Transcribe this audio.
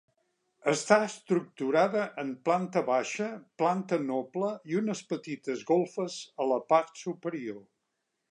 Està estructurada en planta baixa, planta noble i unes petites golfes a la part superior.